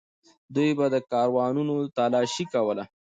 دوی به کاروانونه تالاشي کول.